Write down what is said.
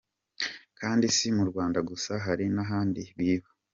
Kandi si mu Rwanda gusa, hari n’ahandi biba.